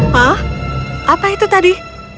hah apa itu tadi